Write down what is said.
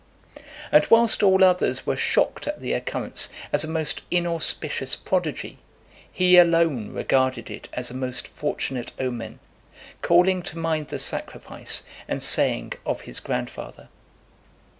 And whilst all others were shocked at the occurrence, as a most inauspicious prodigy, he alone regarded it as a most fortunate omen, calling to mind the sacrifice and saying of his grandfather.